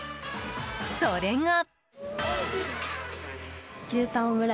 それが。